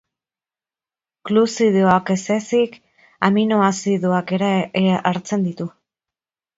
Gluzidoak ez ezik, aminoazidoak ere hartzitzen ditu.